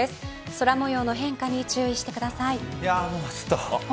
空模様の変化に注意してください。